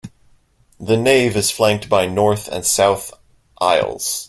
The nave is flanked by north and south aisles.